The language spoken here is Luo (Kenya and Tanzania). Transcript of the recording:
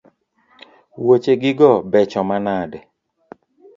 Woche gi go becho manade